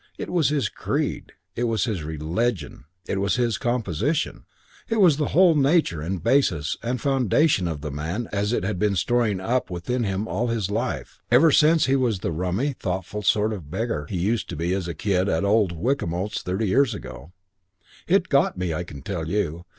It was his creed, it was his religion, it was his composition; it was the whole nature and basis and foundation of the man as it had been storing up within him all his life, ever since he was the rummy, thoughtful sort of beggar he used to be as a kid at old Wickamote's thirty years ago. It got me, I can tell you.